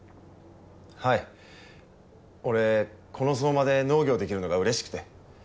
はい俺この相馬で農業できるのがうれしくて。